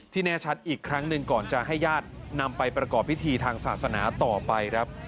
แน่ชัดอีกครั้งหนึ่งก่อนจะให้ญาตินำไปประกอบพิธีทางศาสนาต่อไปครับ